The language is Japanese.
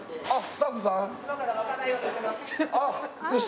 スタッフさん？